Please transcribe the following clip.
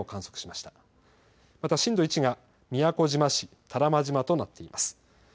また震度１が宮古島市、多良間島となっています。